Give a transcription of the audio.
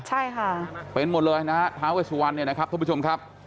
ใช่ค่ะเป็นหมดเลยนะฮะท้าเวสุวรรณเนี่ยนะครับท่านผู้ชมครับ